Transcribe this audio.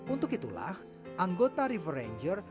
untuk itulah anggota river ranger